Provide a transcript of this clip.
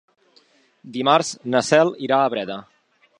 Dimarts na Cel irà a Breda.